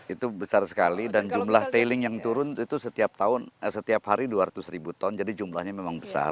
itu besar sekali dan jumlah tailing yang turun itu setiap tahun setiap hari dua ratus ribu ton jadi jumlahnya memang besar